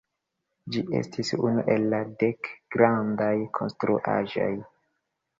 Ĝi estis unu el la "dek grandaj konstruaĵoj".